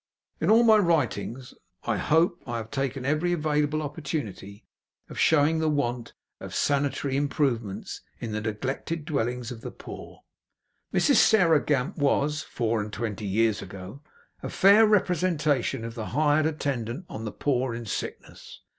In all my writings, I hope I have taken every available opportunity of showing the want of sanitary improvements in the neglected dwellings of the poor. Mrs Sarah Gamp was, four and twenty years ago, a fair representation of the hired attendant on the poor in sickness.